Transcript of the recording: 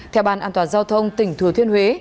theo ban an toàn giao thông tỉnh thừa thiên huế